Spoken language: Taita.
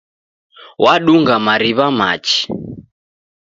Wadunga mariw'a machi.